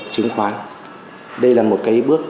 chứng khoán đây là một cái bước